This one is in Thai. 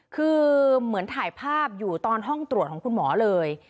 คือเหมือนถ่ายภาพอยู่ตอนห้องตรวจของคุณหมอเลย